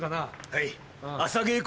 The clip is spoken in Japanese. はい。